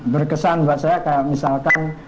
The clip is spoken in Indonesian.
berkesan buat saya kayak misalkan